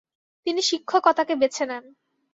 তিনি শিক্ষকতাকে বেছে নেন।